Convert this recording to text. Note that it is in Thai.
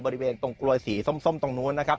บริเวณตรงกลวยสีส้มตรงนู้นนะครับ